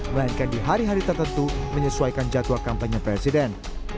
melainkan di hari hari tertentu menyesuaikan jadwal kampanye presiden